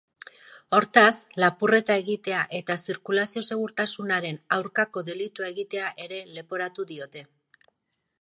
Hortaz, lapurreta egitea eta zirkulazio-segurtasunaren aurkako delitua egitea ere leporatu diote.